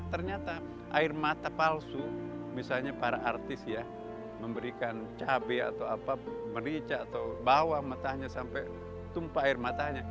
ternyata air mata palsu misalnya para artis ya memberikan cabai atau apa merica atau bawa matanya sampai tumpah air matanya